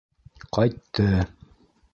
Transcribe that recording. Ҡайтты...